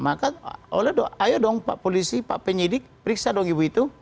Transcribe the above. maka ayo dong pak polisi pak penyidik periksa dong ibu itu